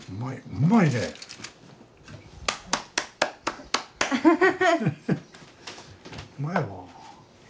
うまいわ。